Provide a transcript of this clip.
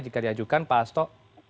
jika diajukan pak hasto